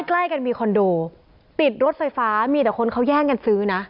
ใกล้กันมีคอนโดติดรถไฟฟ้ามีแต่คนเขาแย่งกันซื้อนะ